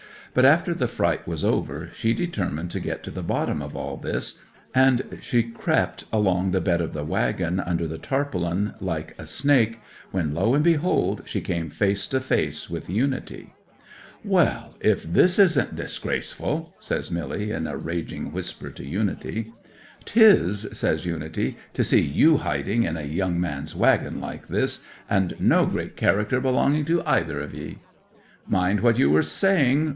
But after the fright was over she determined to get to the bottom of all this, and she crept and crept along the bed of the waggon, under the tarpaulin, like a snake, when lo and behold she came face to face with Unity. '"Well, if this isn't disgraceful!" says Milly in a raging whisper to Unity. '"'Tis," says Unity, "to see you hiding in a young man's waggon like this, and no great character belonging to either of ye!" '"Mind what you are saying!"